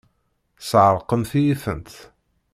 Tesɛeṛqemt-iyi-tent!